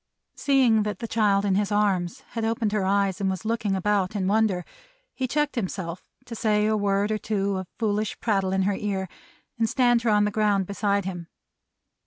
'" Seeing that the child in his arms had opened her eyes, and was looking about in wonder, he checked himself to say a word or two of foolish prattle in her ear, and stand her on the ground beside him.